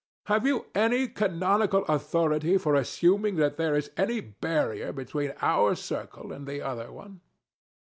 Have you any canonical authority for assuming that there is any barrier between our circle and the other one?